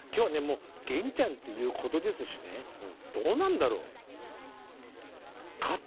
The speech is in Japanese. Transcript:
もう源ちゃんっていうことですしねどうなんだろう？